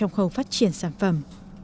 cũng không phát triển sản phẩm